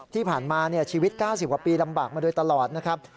ที่ผ่านมาชีวิต๙๐กว่าปีลำบากมาโดยตลอดนะครับ